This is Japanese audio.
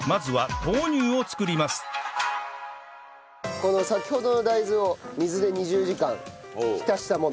この先ほどの大豆を水で２０時間浸したもの。